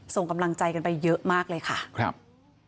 ส่งกำลังใจกันไปเยอะมากเลยค่ะครับ